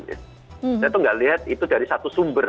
saya tuh nggak lihat itu dari satu sumber